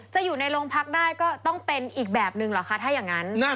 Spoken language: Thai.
จะอยู่ในโรงพักได้ก็ต้องเป็นอีกแบบนึงเหรอคะถ้าอย่างนั้น